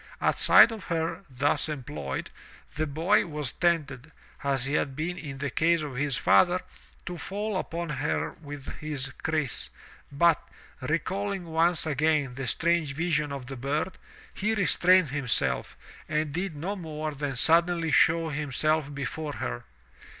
At sight of her, thus employed, the boy was tempted, as he had been in the case of his father, to fall upon her with his kriss, but, recalling once again the strange vision of the bird, he restrained himself, and did no more than suddenly show himself before her.